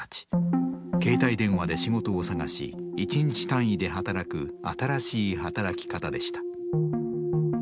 携帯電話で仕事を探し一日単位で働く新しい働き方でした。